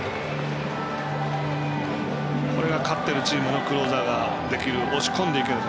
これが勝ってるチームのクローザーができる押し込んでいくんです。